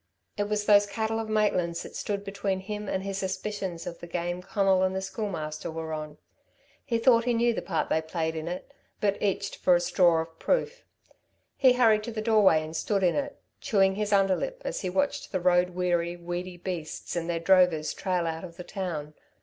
It was those cattle of Maitland's that stood between him and his suspicions of the game Conal and the Schoolmaster were on. He thought he knew the part they played in it, but itched for a straw of proof. He hurried to the doorway and stood in it, chewing his underlip, as he watched the road weary, weedy beasts and their drovers trail out of the town.